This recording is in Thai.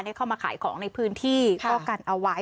เข้ามาขายของในพื้นที่ก็กันเอาไว้